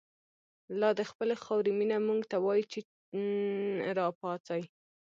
لا دخپلی خاوری مینه، مونږ ته وایی چه ر ا پا څۍ